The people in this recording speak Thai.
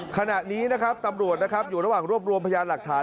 ขณะนี้นะครับตำรวจนะครับอยู่ระหว่างรวบรวมพยานหลักฐาน